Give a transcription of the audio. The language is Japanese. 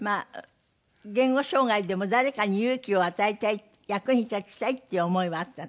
言語障害でも誰かに勇気を与えたい役に立ちたいっていう思いはあった？